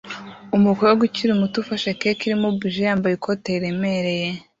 Umukobwa ukiri muto ufashe keke irimo buji yambaye ikote riremereye